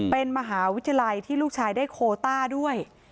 เป็นมหาวิทยาลัยที่ลูกชายได้โคต้าด้วย